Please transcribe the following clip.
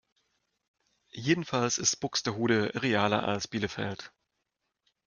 Jedenfalls ist Buxtehude realer als Bielefeld.